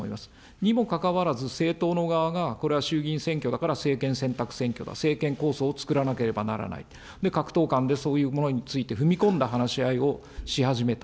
にもかかわらず、政党の側が、これは衆議院選挙だから政権選択選挙だ、政権構想をつくらなければならない、各党間でそういうものについて踏み込んだ話し合いをし始めた。